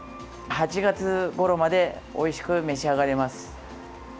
８月ごろまでおいしく召し上がれます。